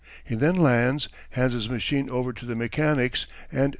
He then lands, hands his machine over to the mechanics, and turns in.